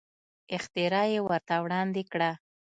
اختراع یې ورته وړاندې کړه.